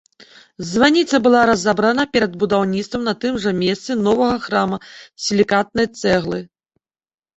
Званіца была разабрана перад будаўніцтвам на тым жа месцы новага храма з сілікатнай цэглы.